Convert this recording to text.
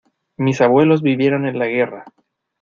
Mis abuelos vivieron en la guerra.